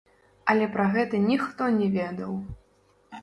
Але пра гэта ніхто не ведаў!